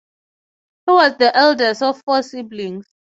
He was eldest of four siblings.